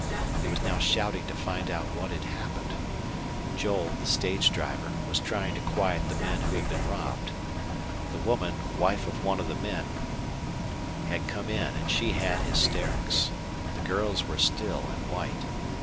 He was now shouting to find out what had happened. Joel, the stage driver, was trying to quiet the men who had been robbed. The woman, wife of one of the men, had come in, and she had hysterics. The girls were still and white.